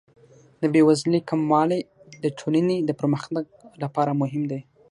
د بې وزلۍ کموالی د ټولنې د پرمختګ لپاره مهم دی.